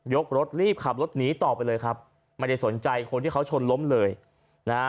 รถรีบขับรถหนีต่อไปเลยครับไม่ได้สนใจคนที่เขาชนล้มเลยนะฮะ